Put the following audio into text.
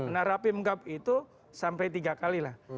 nah rapim gap itu sampai tiga kali lah